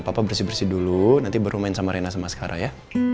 papa bersih bersih dulu nanti baru main sama rena sama skara ya